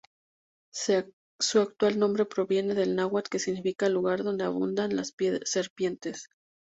Su actual nombre proviene del náhuatl que significa "lugar donde abundan las serpientes".